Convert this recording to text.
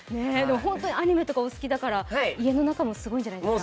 ホントにアニメとかお好きだから家の中すごいんじゃないですか？